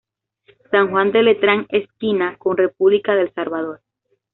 San Juan de Letrán esquina con República de El Salvador.